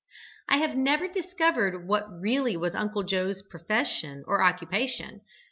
I have never discovered what really was Uncle Joe's profession or occupation.